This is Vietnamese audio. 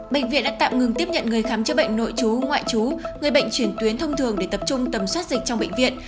bệnh viện đã tạm ngừng tiếp nhận người khám chữa bệnh nội chú ngoại chú người bệnh chuyển tuyến thông thường để tập trung tầm soát dịch trong bệnh viện